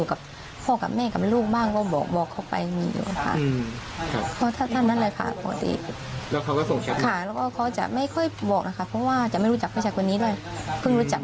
แล้วตอนที่เราเห็นแชลเราอ่านเนี่ยมันเหมือนเขาให้เลือกอะไรบางอย่าง